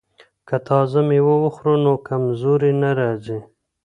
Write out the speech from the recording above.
که تازه میوه وخورو نو کمزوري نه راځي.